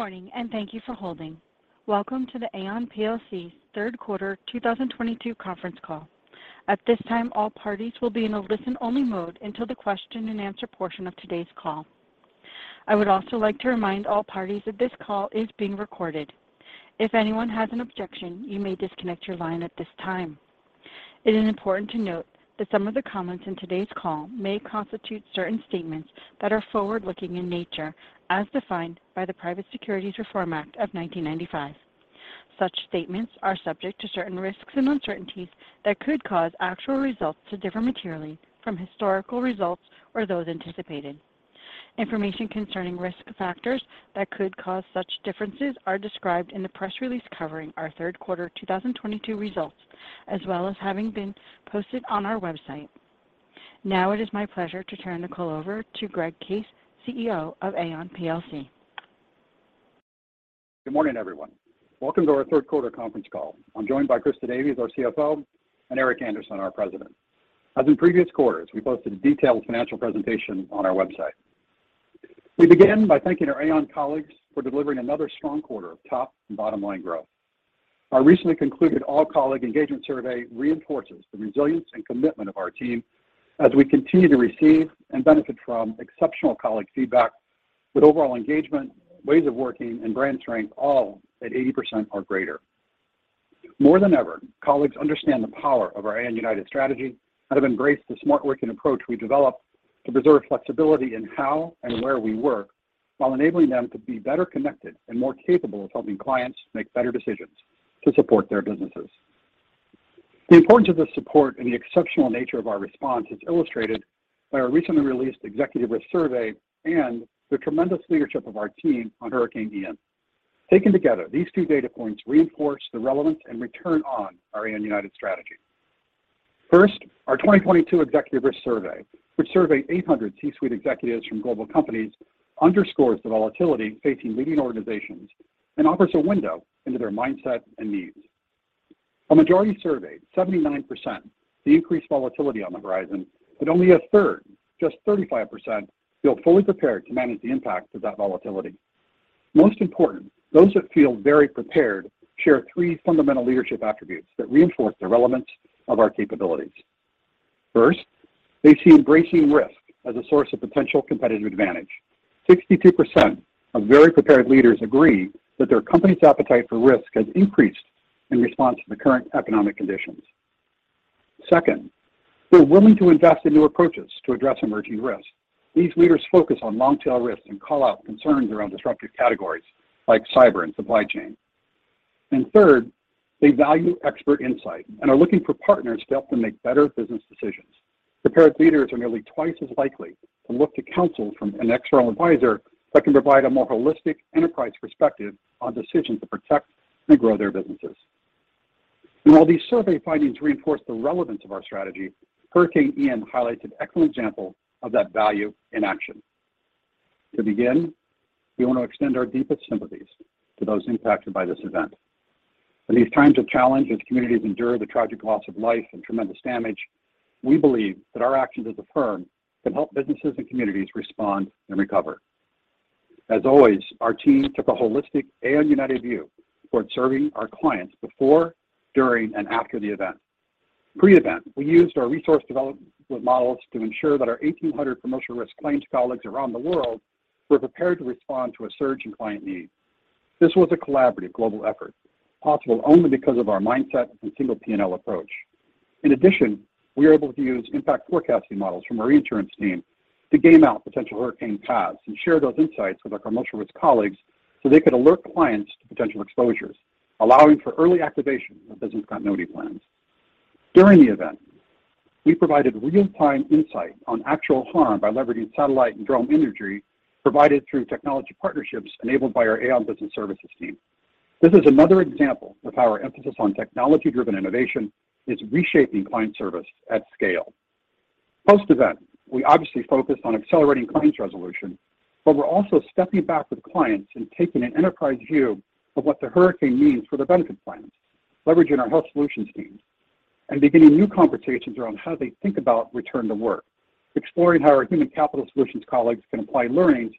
Good morning, and thank you for holding. Welcome to the Aon plc third quarter 2022 conference call. At this time, all parties will be in a listen-only mode until the question and answer portion of today's call. I would also like to remind all parties that this call is being recorded. If anyone has an objection, you may disconnect your line at this time. It is important to note that some of the comments in today's call may constitute certain statements that are forward-looking in nature as defined by the Private Securities Litigation Reform Act of 1995. Such statements are subject to certain risks and uncertainties that could cause actual results to differ materially from historical results or those anticipated. Information concerning risk factors that could cause such differences are described in the press release covering our third quarter 2022 results, as well as having been posted on our website. Now it is my pleasure to turn the call over to Greg Case, CEO of Aon plc. Good morning, everyone. Welcome to our third quarter conference call. I'm joined by Christa Davies, our CFO, and Eric Andersen, our President. As in previous quarters, we posted a detailed financial presentation on our website. We begin by thanking our Aon colleagues for delivering another strong quarter of top and bottom-line growth. Our recently concluded all-colleague engagement survey reinforces the resilience and commitment of our team as we continue to receive and benefit from exceptional colleague feedback with overall engagement, ways of working, and brand strength all at 80% or greater. More than ever, colleagues understand the power of our Aon United strategy and have embraced the Smart Working approach we developed to preserve flexibility in how and where we work while enabling them to be better connected and more capable of helping clients make better decisions to support their businesses. The importance of this support and the exceptional nature of our response is illustrated by our recently released executive risk survey and the tremendous leadership of our team on Hurricane Ian. Taken together, these two data points reinforce the relevance and return on our Aon United strategy. First, our 2022 executive risk survey, which surveyed 800 C-suite executives from global companies, underscores the volatility facing leading organizations and offers a window into their mindset and needs. A majority surveyed, 79%, see increased volatility on the horizon, but only a third, just 35%, feel fully prepared to manage the impact of that volatility. Most important, those that feel very prepared share three fundamental leadership attributes that reinforce the relevance of our capabilities. First, they see embracing risk as a source of potential competitive advantage. 62% of very prepared leaders agree that their company's appetite for risk has increased in response to the current economic conditions. Second, they're willing to invest in new approaches to address emerging risks. These leaders focus on long-tail risks and call out concerns around disruptive categories like cyber and supply chain. Third, they value expert insight and are looking for partners to help them make better business decisions. Prepared leaders are nearly twice as likely to look to counsel from an external advisor that can provide a more holistic enterprise perspective on decisions to protect and grow their businesses. While these survey findings reinforce the relevance of our strategy, Hurricane Ian highlights an excellent example of that value in action. To begin, we want to extend our deepest sympathies to those impacted by this event. In these times of challenge, as communities endure the tragic loss of life and tremendous damage, we believe that our actions as a firm can help businesses and communities respond and recover. As always, our team took a holistic Aon United view towards serving our clients before, during, and after the event. Pre-event, we used our resource development models to ensure that our 1,800 Commercial Risk claims colleagues around the world were prepared to respond to a surge in client need. This was a collaborative global effort, possible only because of our mindset and single P&L approach. In addition, we were able to use Impact Forecasting models from our insurance team to game out potential hurricane paths and share those insights with our Commercial Risk colleagues so they could alert clients to potential exposures, allowing for early activation of business continuity plans. During the event, we provided real-time insight on actual harm by leveraging satellite and drone imagery provided through technology partnerships enabled by our Aon Business Services team. This is another example of how our emphasis on technology-driven innovation is reshaping client service at scale. Post-event, we obviously focused on accelerating claims resolution, but we're also stepping back with clients and taking an enterprise view of what the hurricane means for their benefit plans, leveraging our Health Solutions team and beginning new conversations around how they think about return to work, exploring how our Human Capital Solutions colleagues can apply learnings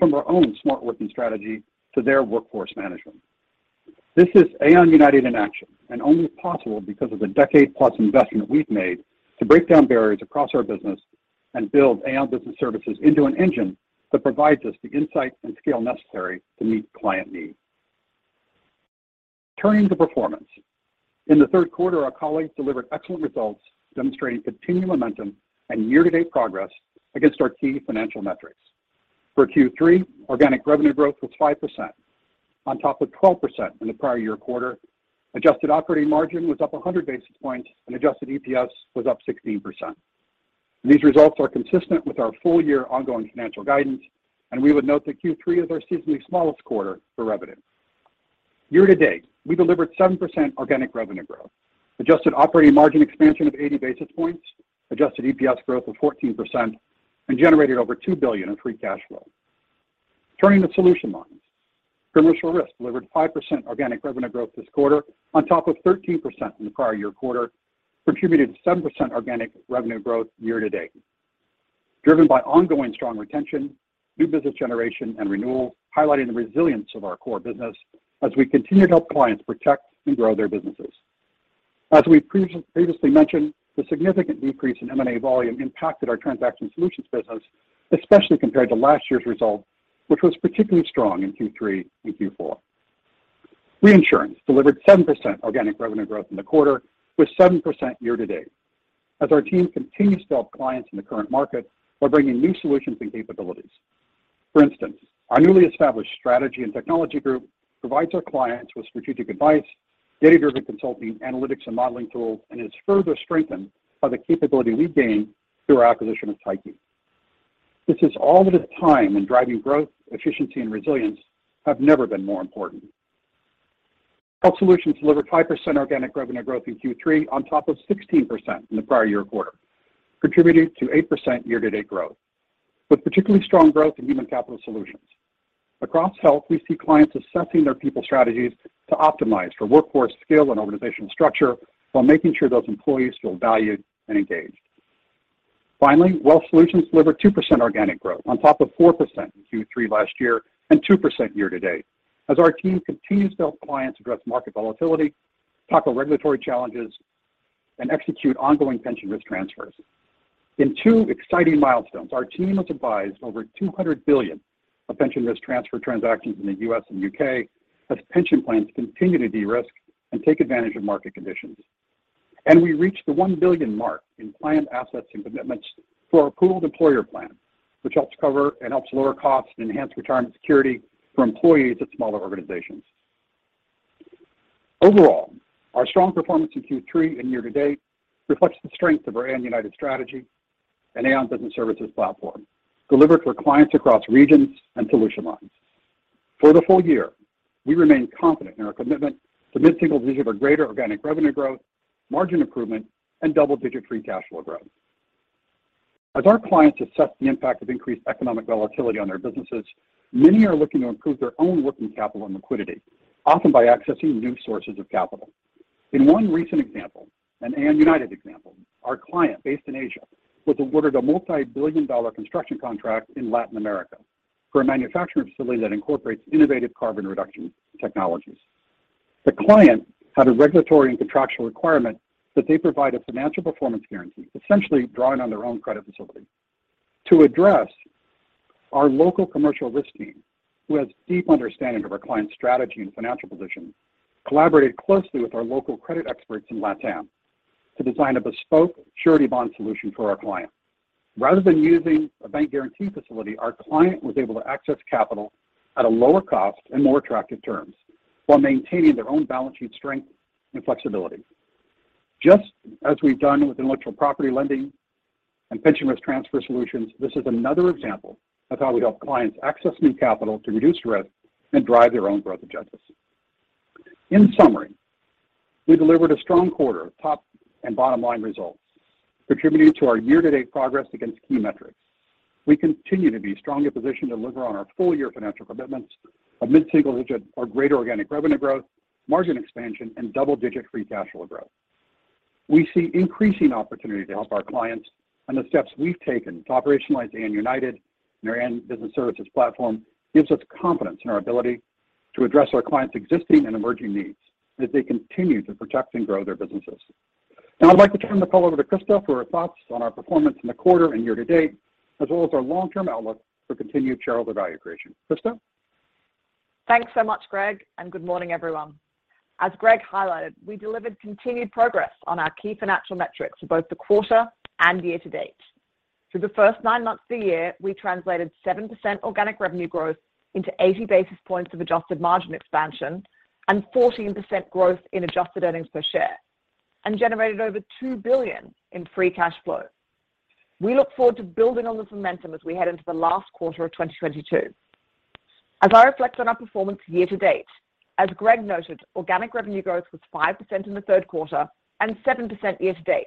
from our own Smart Working strategy to their workforce management. This is Aon United in action and only possible because of the decade-plus investment we've made to break down barriers across our business and build Aon Business Services into an engine that provides us the insight and scale necessary to meet client needs. Turning to performance. In the third quarter, our colleagues delivered excellent results demonstrating continued momentum and year-to-date progress against our key financial metrics. For Q3, organic revenue growth was 5% on top of 12% in the prior year quarter. Adjusted operating margin was up 100 basis points, and adjusted EPS was up 16%. These results are consistent with our full-year ongoing financial guidance, and we would note that Q3 is our seasonally smallest quarter for revenue. Year to date, we delivered 7% organic revenue growth, adjusted operating margin expansion of 80 basis points, adjusted EPS growth of 14%, and generated over $2 billion in free cash flow. Turning to solution lines. Commercial Risk delivered 5% organic revenue growth this quarter on top of 13% in the prior year quarter, contributed 7% organic revenue growth year-to-date. Driven by ongoing strong retention, new business generation, and renewal, highlighting the resilience of our core business as we continue to help clients protect and grow their businesses. As we've previously mentioned, the significant decrease in M&A volume impacted our Transaction Solutions business, especially compared to last year's result, which was particularly strong in Q3 and Q4. Reinsurance delivered 7% organic revenue growth in the quarter, with 7% year-to-date as our team continues to help clients in the current market while bringing new solutions and capabilities. For instance, our newly established Strategy and Technology Group provides our clients with strategic advice, data-driven consulting, analytics and modeling tools, and is further strengthened by the capability we've gained through our acquisition of Tyche. This is all at a time when driving growth, efficiency, and resilience have never been more important. Health Solutions delivered 5% organic revenue growth in Q3 on top of 16% in the prior year quarter, contributing to 8% year-to-date growth, with particularly strong growth in Human Capital Solutions. Across health, we see clients assessing their people strategies to optimize for workforce skill and organizational structure while making sure those employees feel valued and engaged. Finally, Wealth Solutions delivered 2% organic growth on top of 4% in Q3 last year and 2% year-to-date as our team continues to help clients address market volatility, tackle regulatory challenges, and execute ongoing pension risk transfers. In two exciting milestones, our team has advised over $200 billion of pension risk transfer transactions in the U.S. and U.K. as pension plans continue to de-risk and take advantage of market conditions. We reached the $1 billion mark in client assets and commitments for our pooled employer plan, which helps cover and helps lower costs and enhance retirement security for employees at smaller organizations. Overall, our strong performance in Q3 and year-to-date reflects the strength of our Aon United strategy and Aon Business Services platform delivered for clients across regions and solution lines. For the full year, we remain confident in our commitment to mid-single digit or greater organic revenue growth, margin improvement, and double-digit free cash flow growth. As our clients assess the impact of increased economic volatility on their businesses, many are looking to improve their own working capital and liquidity, often by accessing new sources of capital. In one recent example, an Aon United example, our client based in Asia was awarded a multi-billion dollar construction contract in Latin America for a manufacturing facility that incorporates innovative carbon reduction technologies. The client had a regulatory and contractual requirement that they provide a financial performance guarantee, essentially drawing on their own credit facility. To address, our local Commercial Risk team, who has deep understanding of our client's strategy and financial position, collaborated closely with our local credit experts in LatAm to design a bespoke surety bond solution for our client. Rather than using a bank guarantee facility, our client was able to access capital at a lower cost and more attractive terms while maintaining their own balance sheet strength and flexibility. Just as we've done with intellectual property lending and pension risk transfer solutions, this is another example of how we help clients access new capital to reduce risk and drive their own growth agendas. In summary, we delivered a strong quarter of top and bottom line results, contributing to our year-to-date progress against key metrics. We continue to be strongly positioned to deliver on our full year financial commitments of mid-single digit or greater organic revenue growth, margin expansion, and double-digit free cash flow growth. We see increasing opportunity to help our clients and the steps we've taken to operationalize Aon United and our Aon Business Services platform gives us confidence in our ability to address our clients' existing and emerging needs as they continue to protect and grow their businesses. Now, I'd like to turn the call over to Christa for her thoughts on our performance in the quarter and year-to-date, as well as our long-term outlook for continued shareholder value creation. Christa? Thanks so much, Greg, and good morning, everyone. As Greg highlighted, we delivered continued progress on our key financial metrics for both the quarter and year-to-date. Through the first nine months of the year, we translated 7% organic revenue growth into 80 basis points of adjusted margin expansion and 14% growth in adjusted earnings per share and generated over $2 billion in free cash flow. We look forward to building on this momentum as we head into the last quarter of 2022. As I reflect on our performance year-to-date, as Greg noted, organic revenue growth was 5% in the third quarter and 7% year-to-date.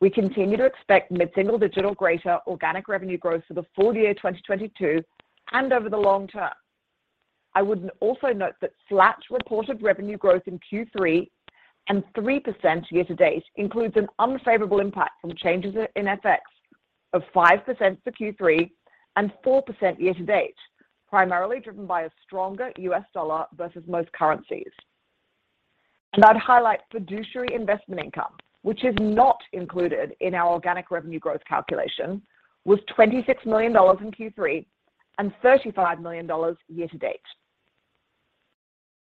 We continue to expect mid-single-digit or greater organic revenue growth for the full year 2022 and over the long term. I would also note that flat reported revenue growth in Q3 and 3% year-to-date includes an unfavorable impact from changes in FX of 5% for Q3 and 4% year-to-date, primarily driven by a stronger US dollar versus most currencies. I'd highlight fiduciary investment income, which is not included in our organic revenue growth calculation, was $26 million in Q3 and $35 million year-to-date.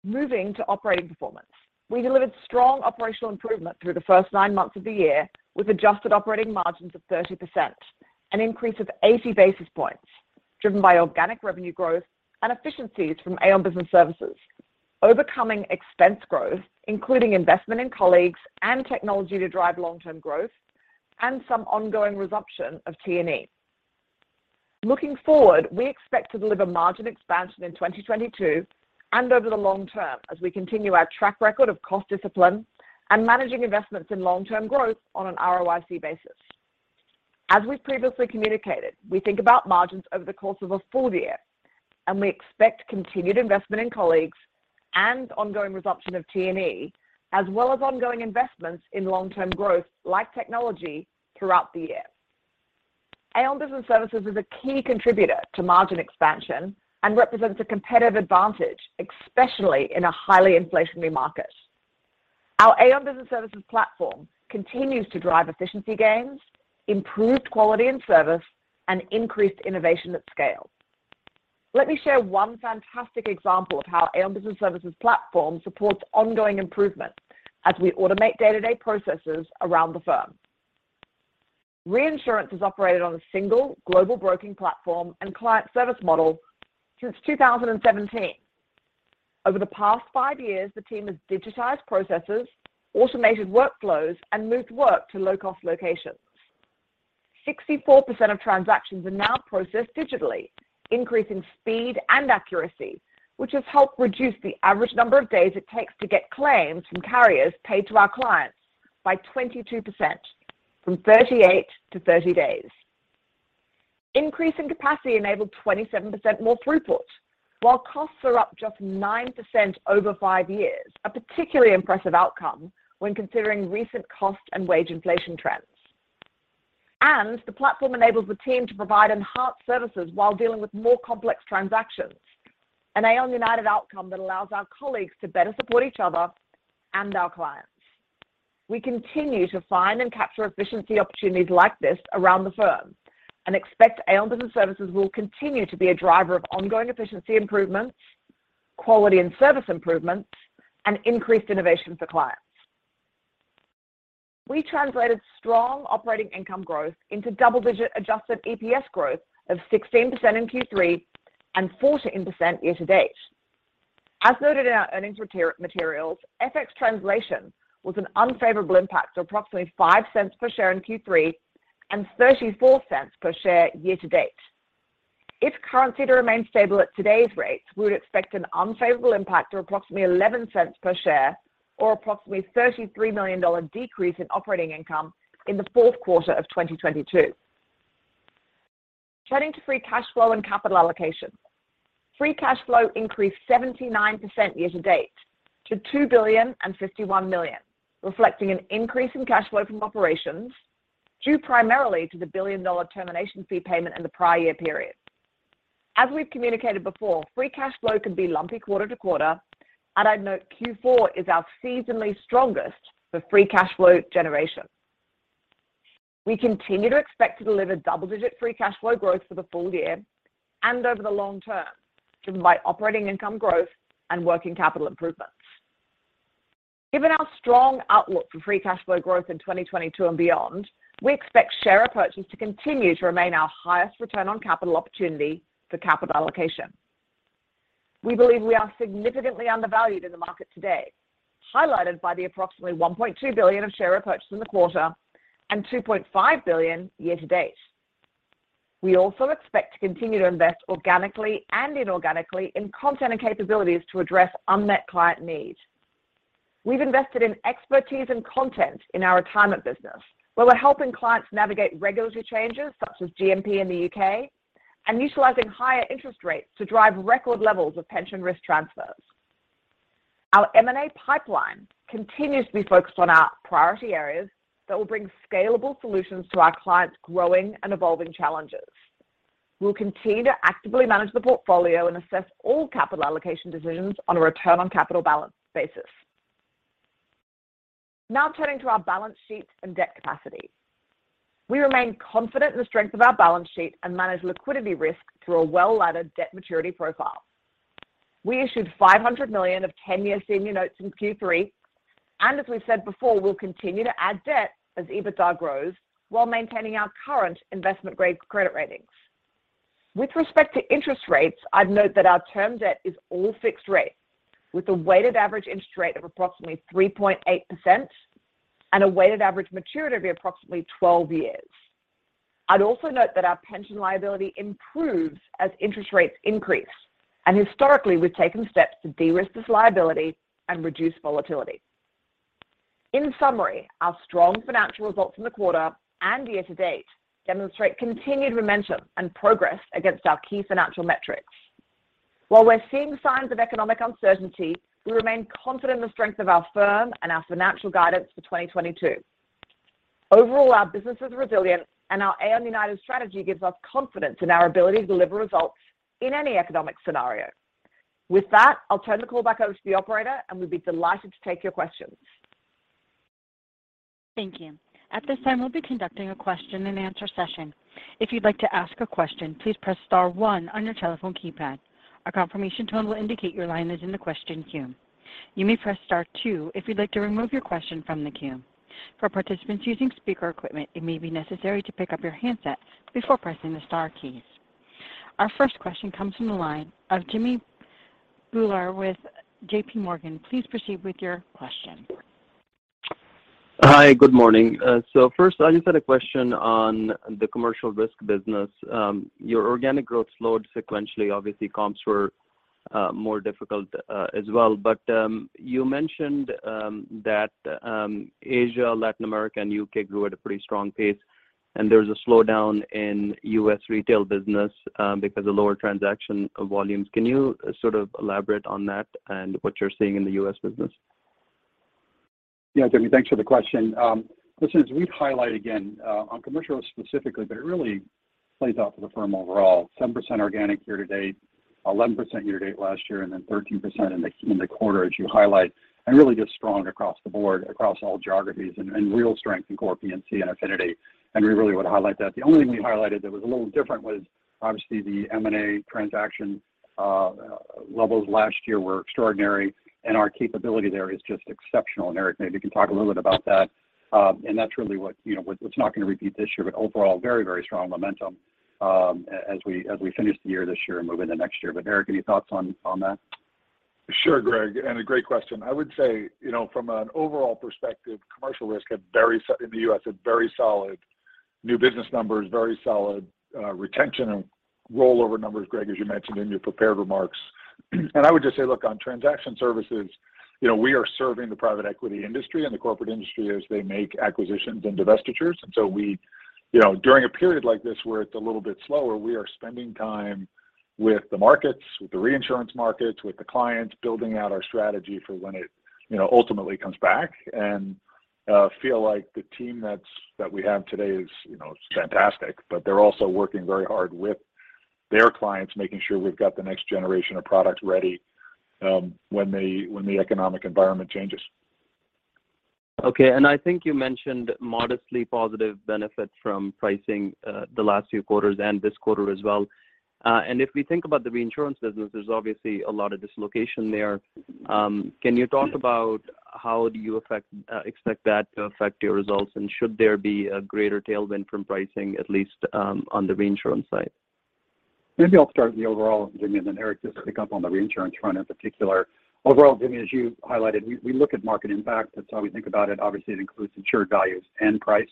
Moving to operating performance. We delivered strong operational improvement through the first nine months of the year with adjusted operating margins of 30%, an increase of 80 basis points driven by organic revenue growth and efficiencies from Aon Business Services, overcoming expense growth, including investment in colleagues and technology to drive long-term growth and some ongoing resumption of T&E. Looking forward, we expect to deliver margin expansion in 2022 and over the long term as we continue our track record of cost discipline and managing investments in long-term growth on an ROIC basis. As we've previously communicated, we think about margins over the course of a full year. We expect continued investment in colleagues and ongoing resumption of T&E as well as ongoing investments in long-term growth like technology throughout the year. Aon Business Services is a key contributor to margin expansion and represents a competitive advantage, especially in a highly inflationary market. Our Aon Business Services platform continues to drive efficiency gains, improved quality and service, and increased innovation at scale. Let me share one fantastic example of how Aon Business Services platform supports ongoing improvement as we automate day-to-day processes around the firm. Reinsurance has operated on a single global broking platform and client service model since 2017. Over the past five years, the team has digitized processes, automated workflows and moved work to low cost locations. 64% of transactions are now processed digitally, increasing speed and accuracy, which has helped reduce the average number of days it takes to get claims from carriers paid to our clients by 22% from 38 to 30 days. Increase in capacity enabled 27% more throughput while costs are up just 9% over five years. A particularly impressive outcome when considering recent cost and wage inflation trends. The platform enables the team to provide enhanced services while dealing with more complex transactions. An Aon United outcome that allows our colleagues to better support each other and our clients. We continue to find and capture efficiency opportunities like this around the firm and expect Aon Business Services will continue to be a driver of ongoing efficiency improvements, quality and service improvements and increased innovation for clients. We translated strong operating income growth into double-digit adjusted EPS growth of 16% in Q3 and 14% year to date. As noted in our earnings materials, FX translation was an unfavorable impact of approximately $0.05 per share in Q3 and $0.34 per share year to date. If currency remains stable at today's rates, we would expect an unfavorable impact of approximately $0.11 per share or approximately $33 million decrease in operating income in the fourth quarter of 2022. Turning to free cash flow and capital allocation. Free cash flow increased 79% year to date to $2.051 billion, reflecting an increase in cash flow from operations due primarily to the $1 billion termination fee payment in the prior year period. As we've communicated before, free cash flow can be lumpy quarter to quarter. I'd note Q4 is our seasonally strongest for free cash flow generation. We continue to expect to deliver double-digit free cash flow growth for the full year and over the long term driven by operating income growth and working capital improvements. Given our strong outlook for free cash flow growth in 2022 and beyond, we expect share purchases to continue to remain our highest return on capital opportunity for capital allocation. We believe we are significantly undervalued in the market today, highlighted by the approximately $1.2 billion of share repurchase in the quarter and $2.5 billion year to date. We also expect to continue to invest organically and inorganically in content and capabilities to address unmet client needs. We've invested in expertise and content in our retirement business, where we're helping clients navigate regulatory changes such as GMP in the U.K. and utilizing higher interest rates to drive record levels of pension risk transfers. Our M&A pipeline continues to be focused on our priority areas that will bring scalable solutions to our clients growing and evolving challenges. We'll continue to actively manage the portfolio and assess all capital allocation decisions on a return on capital balance basis. Now turning to our balance sheet and debt capacity. We remain confident in the strength of our balance sheet and manage liquidity risk through a well-laddered debt maturity profile. We issued $500 million of 10-year senior notes in Q3 and as we've said before, we'll continue to add debt as EBITDA grows while maintaining our current investment-grade credit ratings. With respect to interest rates, I'd note that our term debt is all fixed rate with a weighted average interest rate of approximately 3.8% and a weighted average maturity of approximately 12 years. I'd also note that our pension liability improves as interest rates increase and historically we've taken steps to de-risk this liability and reduce volatility. In summary, our strong financial results in the quarter and year-to-date demonstrate continued momentum and progress against our key financial metrics. While we're seeing signs of economic uncertainty, we remain confident in the strength of our firm and our financial guidance for 2022. Overall, our business is resilient and our Aon United strategy gives us confidence in our ability to deliver results in any economic scenario. With that, I'll turn the call back over to the operator and we'd be delighted to take your questions. Thank you. At this time, we'll be conducting a question and answer session. If you'd like to ask a question, please press star one on your telephone keypad. A confirmation tone will indicate your line is in the question queue. You may press star two if you'd like to remove your question from the queue. For participants using speaker equipment, it may be necessary to pick up your handset before pressing the star keys. Our first question comes from the line of Jimmy Bhullar with JPMorgan. Please proceed with your question. Hi. Good morning. First I just had a question on the Commercial Risk business. Your organic growth slowed sequentially. Obviously comps were More difficult as well. You mentioned that Asia, Latin America, and U.K. grew at a pretty strong pace, and there was a slowdown in U.S. retail business because of lower transaction volumes. Can you sort of elaborate on that and what you're seeing in the U.S. business? Yeah, Jimmy, thanks for the question. Listen, as we've highlighted again, on commercial specifically, but it really plays out for the firm overall, 7% organic year to date, 11% year to date last year, and then 13% in the quarter as you highlight, and really just strong across the board, across all geographies and real strength in core P&C and affinity. We really would highlight that. The only thing we highlighted that was a little different was obviously the M&A transaction levels last year were extraordinary, and our capability there is just exceptional. Eric, maybe you can talk a little bit about that. That's really what, you know, we're not gonna repeat this year, but overall, very, very strong momentum, as we finish the year this year and move into next year. Eric, any thoughts on that? Sure, Greg, a great question. I would say, you know, from an overall perspective, Commercial Risk had very solid new business numbers, very solid retention and rollover numbers, Greg, as you mentioned in your prepared remarks. I would just say, look, on Transaction Solutions, you know, we are serving the private equity industry and the corporate industry as they make acquisitions and divestitures. We, you know, during a period like this where it's a little bit slower, are spending time with the markets, with the Reinsurance markets, with the clients, building out our strategy for when it, you know, ultimately comes back. Feel like the team that we have today is, you know, fantastic. They're also working very hard with their clients, making sure we've got the next generation of product ready, when the economic environment changes. Okay. I think you mentioned modestly positive benefit from pricing the last few quarters and this quarter as well. If we think about the reinsurance business, there's obviously a lot of dislocation there. Can you talk about how you expect that to affect your results? Should there be a greater tailwind from pricing, at least on the reinsurance side? Maybe I'll start with the overall, Jimmy, and then Eric just pick up on the reinsurance front in particular. Overall, Jimmy, as you highlighted, we look at market impact. That's how we think about it. Obviously, it includes insured values and price.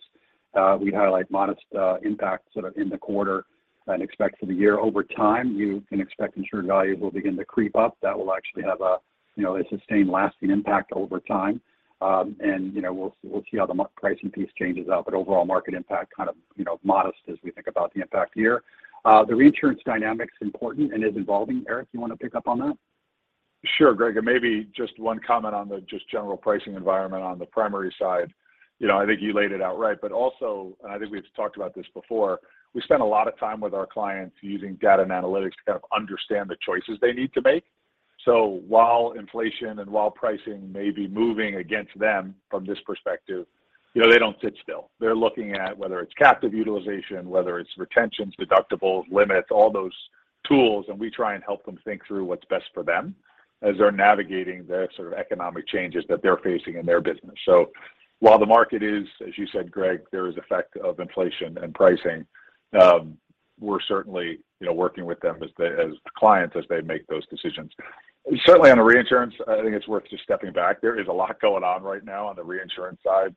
We'd highlight modest impact sort of in the quarter and expect for the year. Over time, you can expect insured values will begin to creep up. That will actually have a you know a sustained lasting impact over time. You know, we'll see how the pricing piece changes out, but overall market impact kind of you know modest as we think about the impact here. The reinsurance dynamic's important and is evolving. Eric, you wanna pick up on that? Sure, Greg. Maybe just one comment on just the general pricing environment on the primary side. You know, I think you laid it out right. Also, I think we've talked about this before. We spend a lot of time with our clients using data and analytics to kind of understand the choices they need to make. While inflation and while pricing may be moving against them from this perspective, you know, they don't sit still. They're looking at whether it's captive utilization, whether it's retentions, deductibles, limits, all those tools, and we try and help them think through what's best for them as they're navigating the sort of economic changes that they're facing in their business. While the market is, as you said, Greg, there is effect of inflation and pricing, we're certainly, you know, working with them as they, as clients, as they make those decisions. Certainly on the reinsurance, I think it's worth just stepping back. There is a lot going on right now on the reinsurance side.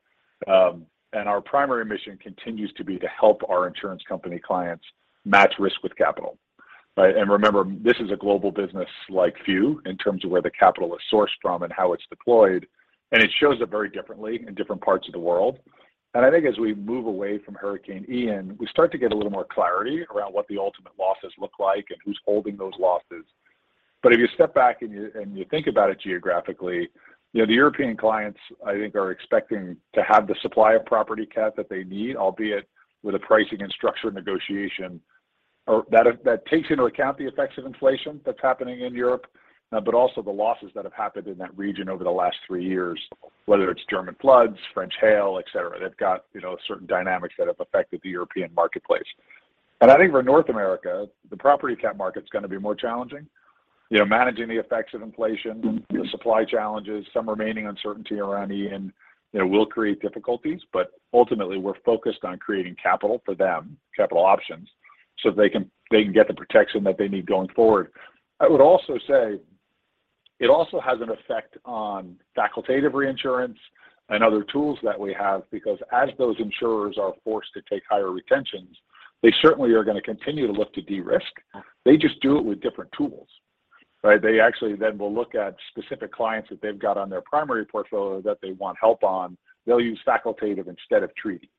Our primary mission continues to be to help our insurance company clients match risk with capital, right? Remember, this is a global business like few in terms of where the capital is sourced from and how it's deployed, and it shows up very differently in different parts of the world. I think as we move away from Hurricane Ian, we start to get a little more clarity around what the ultimate losses look like and who's holding those losses. If you step back and think about it geographically, you know, the European clients, I think, are expecting to have the supply of property cat that they need, albeit with a pricing and structure negotiation that takes into account the effects of inflation that's happening in Europe, but also the losses that have happened in that region over the last three years, whether it's German floods, French hail, et cetera. They've got, you know, certain dynamics that have affected the European marketplace. I think for North America, the property cat market's gonna be more challenging. You know, managing the effects of inflation, the supply challenges, some remaining uncertainty around Ian, you know, will create difficulties, but ultimately, we're focused on creating capital for them, capital options, so they can get the protection that they need going forward. I would also say it also has an effect on facultative reinsurance and other tools that we have because as those insurers are forced to take higher retentions, they certainly are gonna continue to look to de-risk. They just do it with different tools, right? They actually then will look at specific clients that they've got on their primary portfolio that they want help on. They'll use facultative instead of treaty.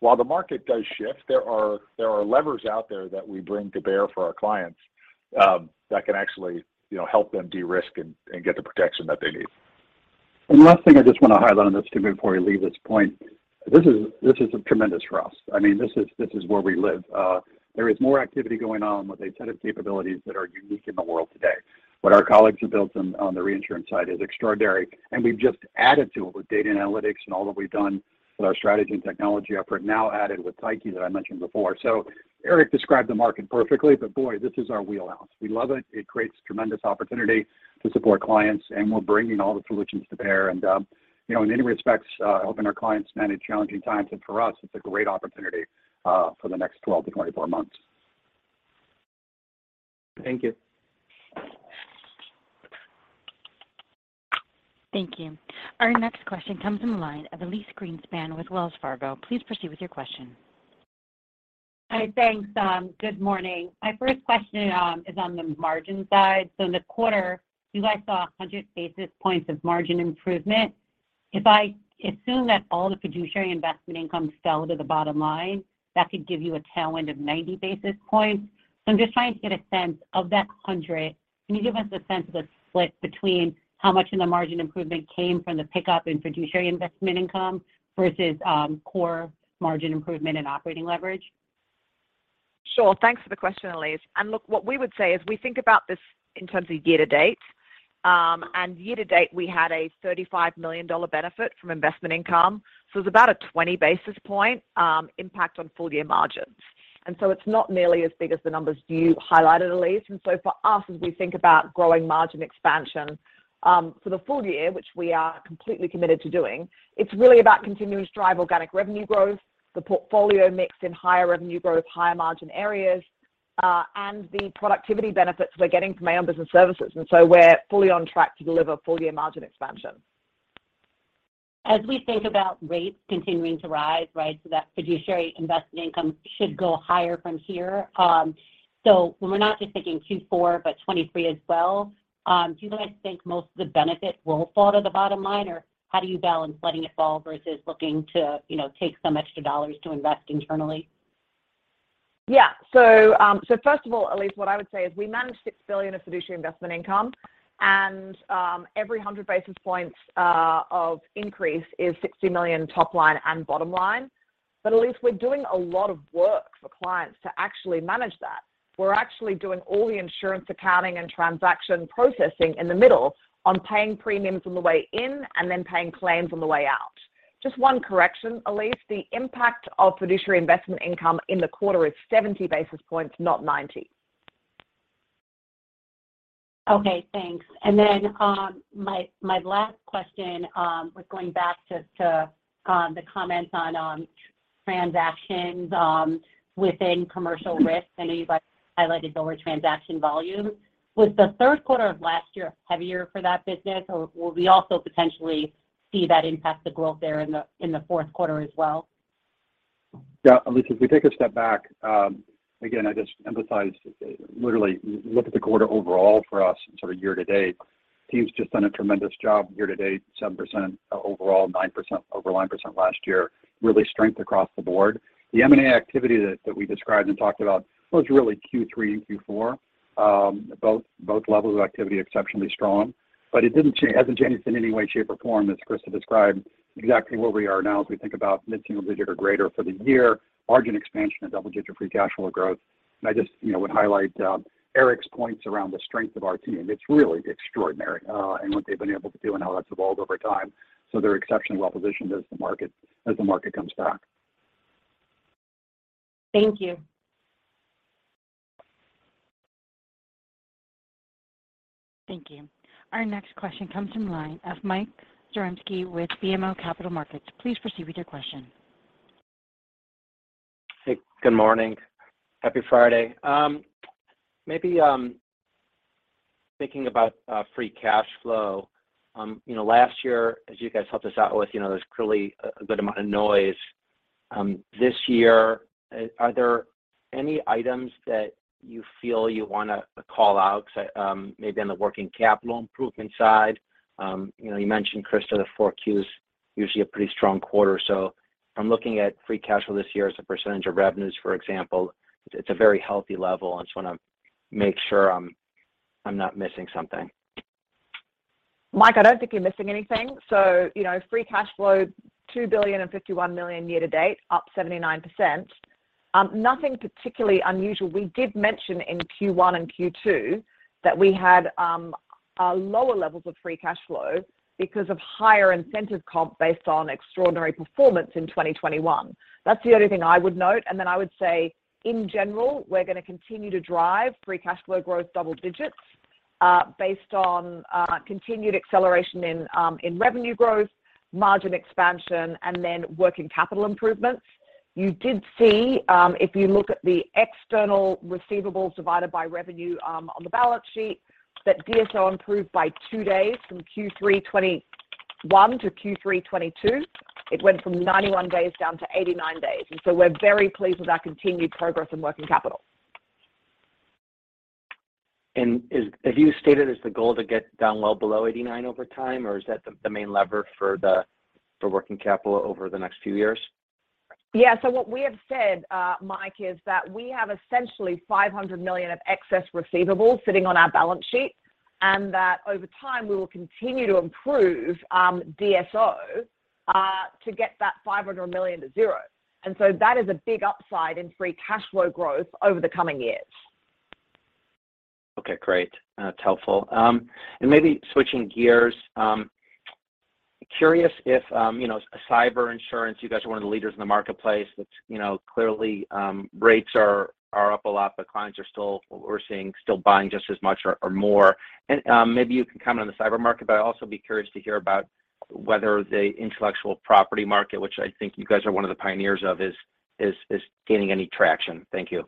While the market does shift, there are levers out there that we bring to bear for our clients that can actually, you know, help them de-risk and get the protection that they need. Last thing I just wanna highlight on this, Jimmy, before we leave this point. This is a tremendous for us. I mean, this is where we live. There is more activity going on with a set of capabilities that are unique in the world today. What our colleagues have built on the reinsurance side is extraordinary, and we've just added to it with data and analytics and all that we've done with our strategy and technology effort now added with Tyche that I mentioned before. Eric described the market perfectly, but boy, this is our wheelhouse. We love it. It creates tremendous opportunity to support clients, and we're bringing all the solutions to bear and, you know, in many respects, helping our clients manage challenging times. For us, it's a great opportunity for the next 12-24 months. Thank you. Thank you. Our next question comes from the line of Elyse Greenspan with Wells Fargo. Please proceed with your question. Hi. Thanks. Good morning. My first question is on the margin side. In the quarter, you guys saw 100 basis points of margin improvement. If I assume that all the fiduciary investment income fell to the bottom line, that could give you a tailwind of 90 basis points. I'm just trying to get a sense of that 100. Can you give us a sense of the split between how much in the margin improvement came from the pickup in fiduciary investment income versus core margin improvement and operating leverage? Sure. Thanks for the question, Elyse. Look, what we would say is we think about this in terms of year to date. Year to date, we had a $35 million benefit from investment income. So it's about a 20 basis point impact on full year margins. It's not nearly as big as the numbers you highlighted, Elyse. For us, as we think about growing margin expansion for the full year, which we are completely committed to doing, it's really about continuous drive organic revenue growth, the portfolio mix in higher revenue growth, higher margin areas, and the productivity benefits we're getting from our own business services. We're fully on track to deliver full year margin expansion. As we think about rates continuing to rise, right, so that fiduciary investment income should go higher from here. When we're not just thinking Q4, but 2023 as well, do you guys think most of the benefit will fall to the bottom line, or how do you balance letting it fall versus looking to, you know, take some extra dollars to invest internally? First of all, Elyse, what I would say is we manage $6 billion of fiduciary investment income, and every 100 basis points of increase is $60 million top line and bottom line. Elyse, we're doing a lot of work for clients to actually manage that. We're actually doing all the insurance accounting and transaction processing in the middle on paying premiums on the way in and then paying claims on the way out. Just one correction, Elyse, the impact of fiduciary investment income in the quarter is 70 basis points, not 90. Okay, thanks. My last question was going back just to the comments on transactions within Commercial Risk. I know you guys highlighted lower transaction volume. Was the third quarter of last year heavier for that business, or will we also potentially see that impact the growth there in the fourth quarter as well? Yeah. Elyse, if we take a step back, again, I just emphasize literally look at the quarter overall for us and sort of year to date. Team's just done a tremendous job year to date, 7% overall, 9% over 9% last year, real strength across the board. The M&A activity that we described and talked about was really Q3 and Q4, both levels of activity exceptionally strong. But hasn't changed in any way, shape, or form, as Christa described exactly where we are now as we think about mid-single digit or greater for the year, margin expansion and double-digit free cash flow growth. I just, you know, would highlight Eric's points around the strength of our team. It's really extraordinary, and what they've been able to do and how that's evolved over time. They're exceptionally well-positioned as the market comes back. Thank you. Thank you. Our next question comes from the line of Michael Zaremski with BMO Capital Markets. Please proceed with your question. Hey, good morning. Happy Friday. Maybe thinking about free cash flow. You know, last year, as you guys helped us out with, you know, there's clearly a good amount of noise this year. Are there any items that you feel you wanna call out? Maybe on the working capital improvement side, you know, you mentioned, Christa, the Q4 is usually a pretty strong quarter. I'm looking at free cash flow this year as a percentage of revenues, for example. It's a very healthy level. I just wanna make sure I'm not missing something. Mike, I don't think you're missing anything. You know, free cash flow, $2.051 billion year to date, up 79%. Nothing particularly unusual. We did mention in Q1 and Q2 that we had a lower levels of free cash flow because of higher incentive comp based on extraordinary performance in 2021. That's the only thing I would note. Then I would say in general, we're gonna continue to drive free cash flow growth double digits, based on continued acceleration in revenue growth, margin expansion, and then working capital improvements. You did see, if you look at the external receivables divided by revenue, on the balance sheet, that DSO improved by 2 days from Q3 2021 to Q3 2022. It went from 91 days down to 89 days. We're very pleased with our continued progress in working capital. Have you stated as the goal to get down well below 89 over time, or is that the main lever for working capital over the next few years? What we have said, Mike, is that we have essentially $500 million of excess receivables sitting on our balance sheet, and that over time, we will continue to improve DSO to get that $500 million to zero. That is a big upside in free cash flow growth over the coming years. Okay, great. That's helpful. Maybe switching gears, curious if, you know, cyber insurance, you guys are one of the leaders in the marketplace. It's, you know, clearly, rates are up a lot, but clients are still, we're seeing still buying just as much or more. Maybe you can comment on the cyber market, but I'd also be curious to hear about whether the intellectual property market, which I think you guys are one of the pioneers of, is gaining any traction. Thank you.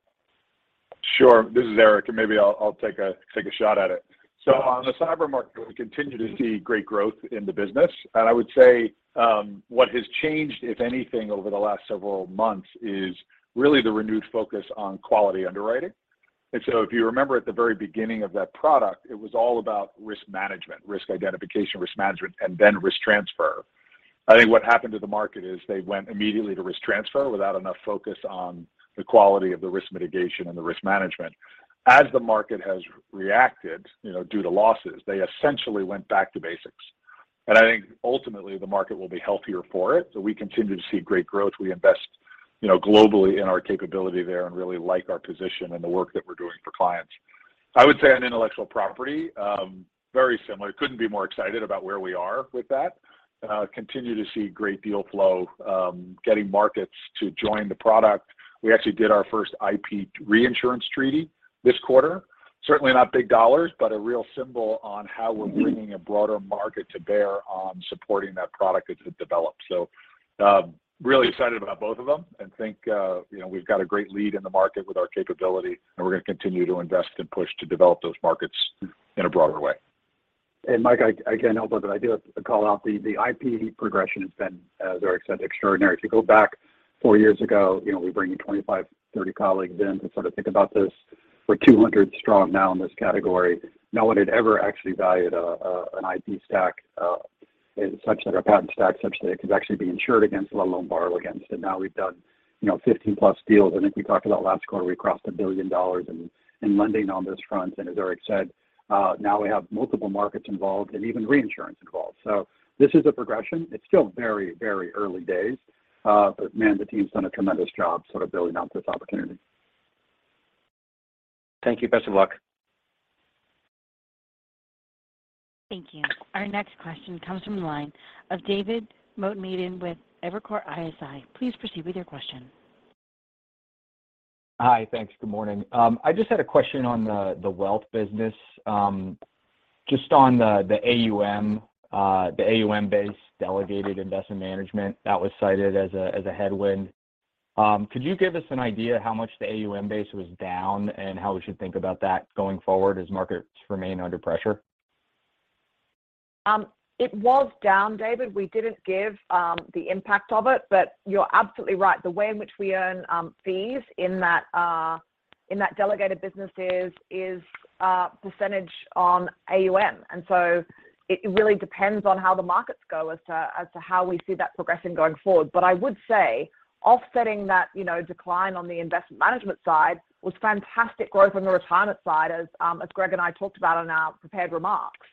Sure. This is Eric, and maybe I'll take a shot at it. On the cyber market, we continue to see great growth in the business. I would say what has changed, if anything, over the last several months is really the renewed focus on quality underwriting. If you remember at the very beginning of that product, it was all about risk management, risk identification, risk management, and then risk transfer. I think what happened to the market is they went immediately to risk transfer without enough focus on the quality of the risk mitigation and the risk management. As the market has reacted, you know, due to losses, they essentially went back to basics. I think ultimately the market will be healthier for it. We continue to see great growth. We invest, you know, globally in our capability there and really like our position and the work that we're doing for clients. I would say on intellectual property, very similar. Couldn't be more excited about where we are with that. Continue to see great deal flow, getting markets to join the product. We actually did our first IP reinsurance treaty this quarter. Certainly not big dollars, but a real symbol on how we're bringing a broader market to bear on supporting that product as it develops. Really excited about both of them and think, you know, we've got a great lead in the market with our capability, and we're gonna continue to invest and push to develop those markets in a broader way. Mike, I can help with it. I do have to call out the IP progression has been, as Eric said, extraordinary. If you go back four years ago, you know, we bring in 25, 30 colleagues in to sort of think about this. We're 200 strong now in this category. No one had ever actually valued an IP stack as such that our patent stack could actually be insured against, let alone borrow against. Now we've done, you know, 15+ deals. I think we talked about last quarter, we crossed $1 billion in lending on this front. As Eric said, now we have multiple markets involved and even reinsurance involved. This is a progression. It's still very, very early days, but man, the team's done a tremendous job sort of building out this opportunity. Thank you. Best of luck. Thank you. Our next question comes from the line of David Motemaden with Evercore ISI. Please proceed with your question. Hi. Thanks. Good morning. I just had a question on the wealth business, just on the AUM, the AUM base delegated investment management that was cited as a headwind. Could you give us an idea how much the AUM base was down and how we should think about that going forward as markets remain under pressure? It was down, David. We didn't give the impact of it, but you're absolutely right. The way in which we earn fees in that delegated business is percentage on AUM. It really depends on how the markets go as to how we see that progressing going forward. I would say offsetting that, you know, decline on the investment management side was fantastic growth on the retirement side, as Greg and I talked about on our prepared remarks.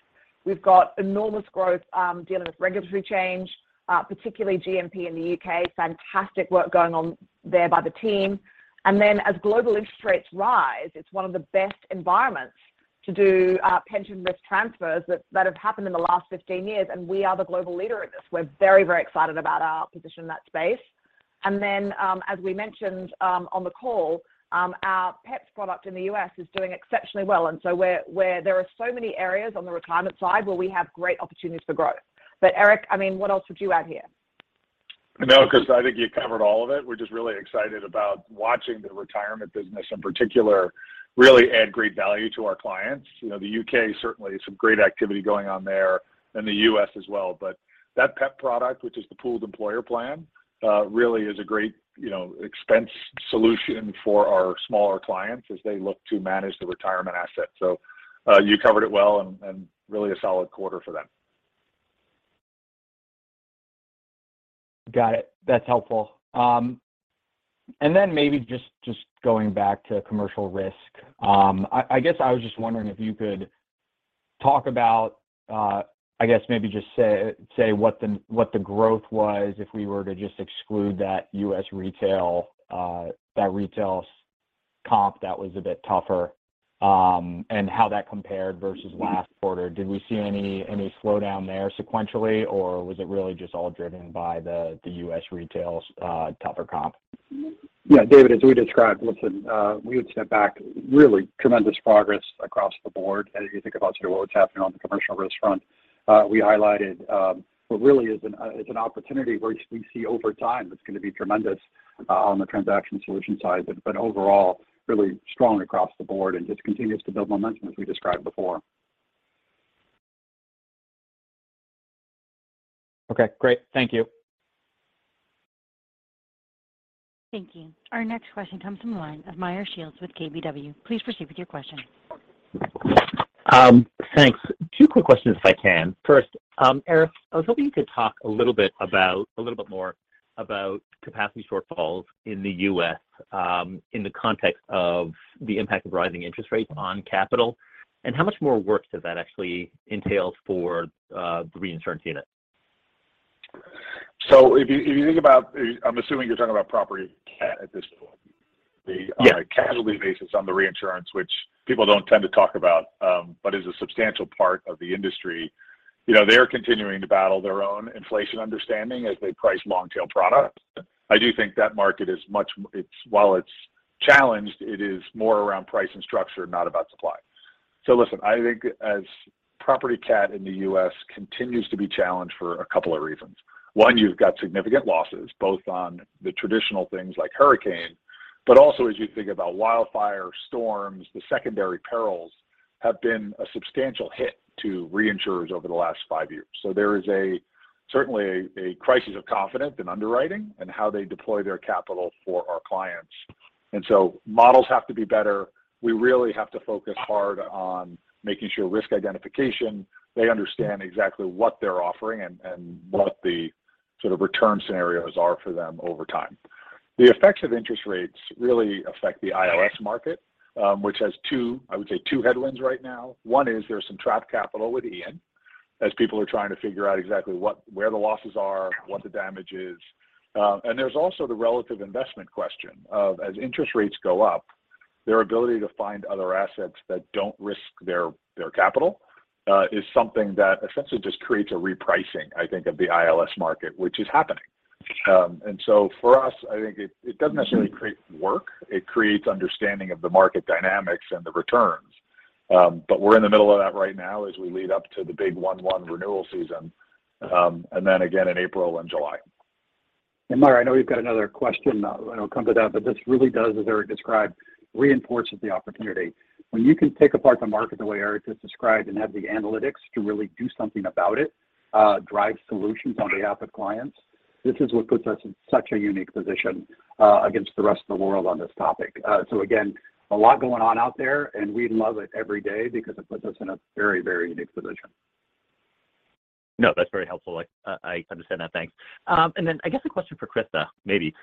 We've got enormous growth dealing with regulatory change, particularly GMP in the U.K. Fantastic work going on there by the team. As global interest rates rise, it's one of the best environments to do pension risk transfers that have happened in the last 15 years, and we are the global leader at this. We're very, very excited about our position in that space. As we mentioned on the call, our PEP product in the U.S. is doing exceptionally well. Where there are so many areas on the retirement side where we have great opportunities for growth. Eric, I mean, what else would you add here? No, because I think you covered all of it. We're just really excited about watching the retirement business in particular really add great value to our clients. You know, the U.K., certainly some great activity going on there, and the U.S. as well. That PEP product, which is the Pooled Employer Plan, really is a great, you know, expense solution for our smaller clients as they look to manage the retirement asset. You covered it well and really a solid quarter for them. Got it. That's helpful. Maybe just going back to Commercial Risk, I guess I was just wondering if you could talk about, I guess maybe just say what the growth was if we were to just exclude that U.S. retail, that retail's comp that was a bit tougher, and how that compared versus last quarter. Did we see any slowdown there sequentially, or was it really just all driven by the U.S. retail's tougher comp? Yeah, David, as we described, listen, we would step back really tremendous progress across the board as you think about sort of what's happening on the Commercial Risk front. We highlighted what really is an is an opportunity which we see over time that's gonna be tremendous on the Transaction Solutions side, but overall, really strong across the board and just continues to build momentum as we described before. Okay, great. Thank you. Thank you. Our next question comes from the line of Meyer Shields with KBW. Please proceed with your question. Thanks. Two quick questions if I can. First, Eric, I was hoping you could talk a little bit more about capacity shortfalls in the U.S., in the context of the impact of rising interest rates on capital, and how much more work does that actually entail for, the Reinsurance unit? If you think about, I'm assuming you're talking about property cat at this point. Yes. The casualty basis on the reinsurance, which people don't tend to talk about, but is a substantial part of the industry. You know, they're continuing to battle their own inflation understanding as they price long tail products. I do think that market is, while it's challenged, it is more around price and structure, not about supply. Listen, I think as property cat in the U.S. continues to be challenged for a couple of reasons. One, you've got significant losses, both on the traditional things like hurricane, but also as you think about wildfire, storms, the secondary perils have been a substantial hit to reinsurers over the last five years. There is certainly a crisis of confidence in underwriting and how they deploy their capital for our clients. Models have to be better. We really have to focus hard on making sure risk identification, they understand exactly what they're offering and what the sort of return scenarios are for them over time. The effects of interest rates really affect the ILS market, which has two, I would say two headwinds right now. One is there's some trapped capital with Hurricane Ian, as people are trying to figure out exactly what the losses are, what the damage is. And there's also the relative investment question of as interest rates go up, their ability to find other assets that don't risk their capital is something that essentially just creates a repricing, I think of the ILS market, which is happening. For us, I think it doesn't necessarily create work, it creates understanding of the market dynamics and the returns. We're in the middle of that right now as we lead up to the big 1-1 renewal season, and then again in April and July. Meyer, I know we've got another question, and I'll come to that, but this really does, as Eric described, reinforces the opportunity. When you can take apart the market the way Eric just described and have the analytics to really do something about it, drive solutions on behalf of clients, this is what puts us in such a unique position, against the rest of the world on this topic. Again, a lot going on out there, and we love it every day because it puts us in a very, very unique position. No, that's very helpful. I understand that. Thanks. I guess a question for Christa, maybe.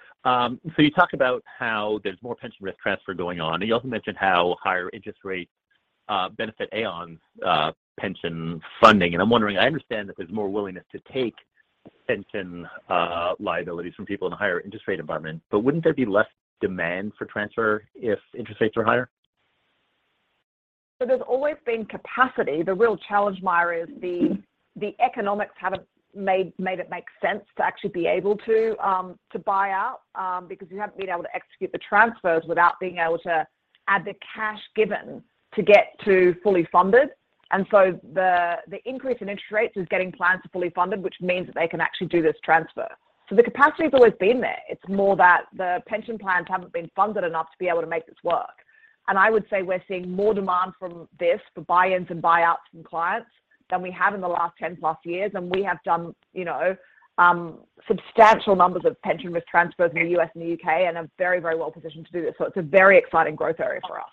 You talked about how there's more pension risk transfer going on, and you also mentioned how higher interest rates benefit Aon's pension funding. I'm wondering, I understand that there's more willingness to take pension liabilities from people in a higher interest rate environment, but wouldn't there be less demand for transfer if interest rates are higher? There's always been capacity. The real challenge, Meyer, is the economics haven't made it make sense to actually be able to buy out because you haven't been able to execute the transfers without being able to add the cash given to get to fully funded. The increase in interest rates is getting plans to fully funded, which means that they can actually do this transfer. The capacity's always been there. It's more that the pension plans haven't been funded enough to be able to make this work. I would say we're seeing more demand from this for buy-ins and buyouts from clients than we have in the last 10+ years. We have done substantial numbers of pension risk transfers in the U.S. and the U.K. and are very, very well positioned to do this. It's a very exciting growth area for us.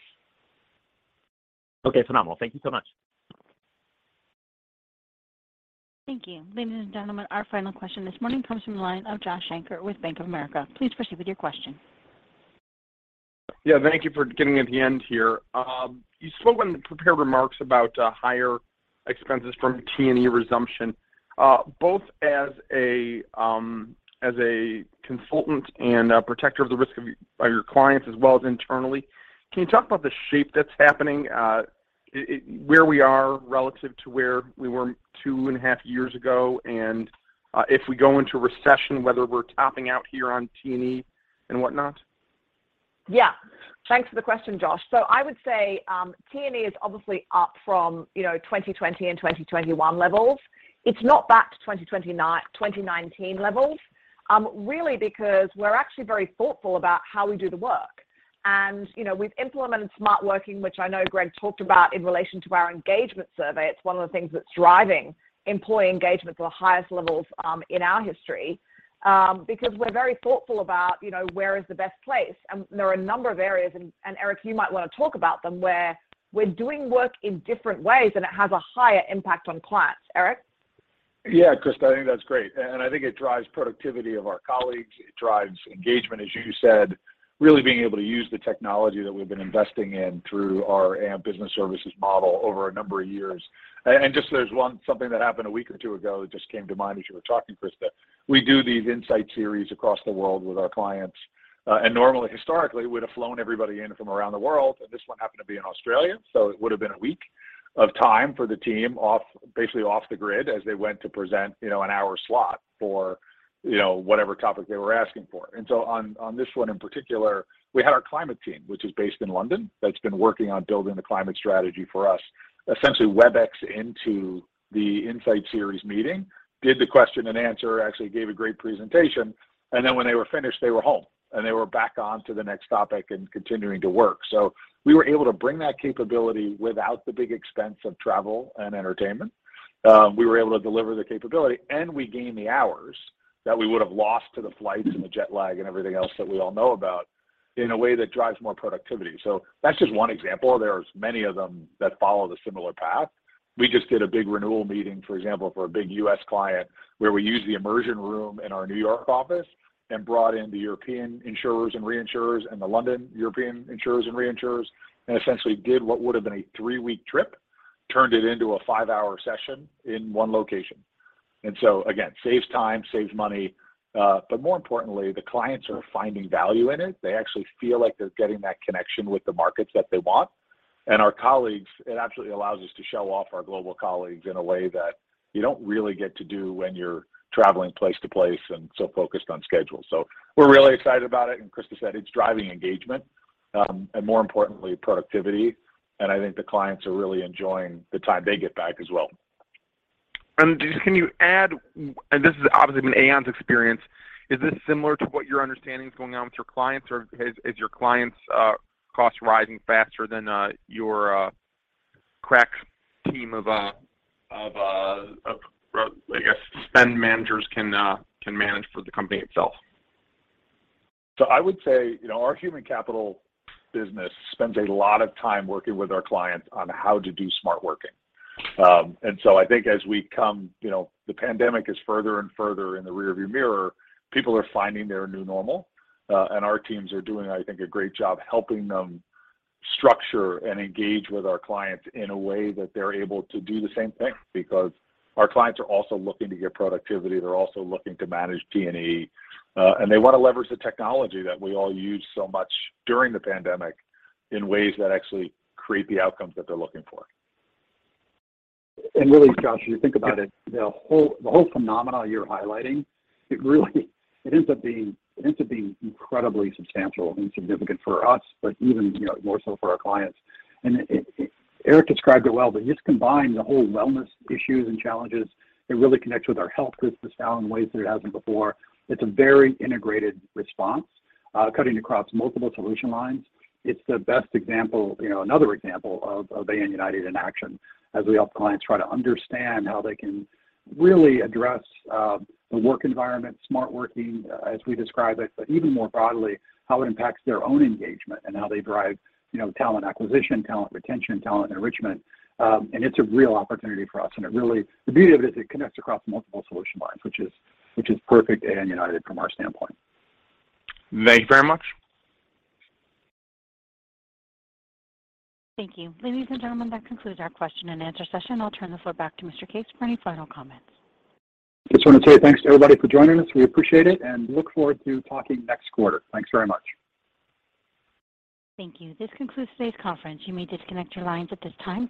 Okay. Phenomenal. Thank you so much. Thank you. Ladies and gentlemen, our final question this morning comes from the line of Joshua Shanker with Bank of America. Please proceed with your question. Yeah, thank you for getting me at the end here. You spoke on the prepared remarks about higher expenses from T&E resumption. Both as a consultant and a protector of the risk of your clients as well as internally, can you talk about the shape that's happening, where we are relative to where we were 2.5 years ago, and if we go into recession, whether we're topping out here on T&E and whatnot? Yeah. Thanks for the question, Josh Shanker. I would say, T&E is obviously up from, you know, 2020 and 2021 levels. It's not back to 2019 levels, really because we're actually very thoughtful about how we do the work. You know, we've implemented Smart Working, which I know Greg Case talked about in relation to our engagement survey. It's one of the things that's driving employee engagement to the highest levels in our history. Because we're very thoughtful about, you know, where is the best place. There are a number of areas, and Eric Andersen, you might want to talk about them, where we're doing work in different ways, and it has a higher impact on clients. Eric Andersen? Yeah, Christa, I think that's great. I think it drives productivity of our colleagues. It drives engagement, as you said, really being able to use the technology that we've been investing in through our Aon Business Services model over a number of years. Just there's something that happened a week or two ago that just came to mind as you were talking, Christa. We do these insight series across the world with our clients. Normally, historically, we'd have flown everybody in from around the world, and this one happened to be in Australia, so it would have been a week of time for the team off the grid as they went to present, you know, an hour slot for, you know, whatever topic they were asking for. On this one in particular, we had our climate team, which is based in London, that's been working on building the climate strategy for us, essentially Webex into the insight series meeting, did the question and answer, actually gave a great presentation, and then when they were finished, they were home and they were back on to the next topic and continuing to work. We were able to bring that capability without the big expense of travel and entertainment. We were able to deliver the capability, and we gained the hours that we would have lost to the flights and the jet lag and everything else that we all know about in a way that drives more productivity. That's just one example. There's many of them that follow the similar path. We just did a big renewal meeting, for example, for a big U.S. client where we used the immersion room in our New York office and brought in the European insurers and reinsurers and the London European insurers and reinsurers, and essentially did what would have been a three-week trip, turned it into a five-hour session in one location. Again, saves time, saves money. More importantly, the clients are finding value in it. They actually feel like they're getting that connection with the markets that they want. Our colleagues, it absolutely allows us to show off our global colleagues in a way that you don't really get to do when you're traveling place to place and so focused on schedule. We're really excited about it, and Christa said it's driving engagement, and more importantly, productivity, and I think the clients are really enjoying the time they get back as well. Just can you add and this is obviously been Aon's experience, is this similar to what your understanding is going on with your clients, or is your clients' cost rising faster than your crack team of, I guess, spend managers can manage for the company itself? I would say, you know, our Human Capital business spends a lot of time working with our clients on how to do Smart Working. I think as we come you know, the pandemic is further and further in the rearview mirror, people are finding their new normal, and our teams are doing, I think, a great job helping them structure and engage with our clients in a way that they're able to do the same thing because our clients are also looking to get productivity, they're also looking to manage T&E, and they wanna leverage the technology that we all used so much during the pandemic in ways that actually create the outcomes that they're looking for. Really, Josh, as you think about it, the whole phenomena you're highlighting, it really ends up being incredibly substantial and significant for us, but even, you know, more so for our clients. It, Eric described it well, but just combine the whole wellness issues and challenges, it really connects with our health business now in ways that it hasn't before. It's a very integrated response, cutting across multiple solution lines. It's the best example, you know, another example of Aon United in action as we help clients try to understand how they can really address the work environment, Smart Working, as we describe it, but even more broadly, how it impacts their own engagement and how they drive, you know, talent acquisition, talent retention, talent enrichment. It's a real opportunity for us, and it really. The beauty of it is it connects across multiple solution lines, which is perfect Aon United from our standpoint. Thank you very much. Thank you. Ladies and gentlemen, that concludes our question and answer session. I'll turn the floor back to Mr. Case for any final comments. Just wanna say thanks to everybody for joining us. We appreciate it, and look forward to talking next quarter. Thanks very much. Thank you. This concludes today's conference. You may disconnect your lines at this time.